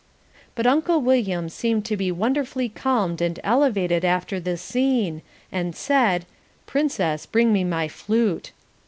But Uncle William seemed to be wonderfully calmed and elevated after this scene, and said, "Princess, bring me my flute."